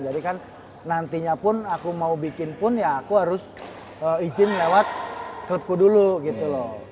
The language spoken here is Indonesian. jadi kan nantinya pun aku mau bikin pun ya aku harus izin lewat klubku dulu gitu loh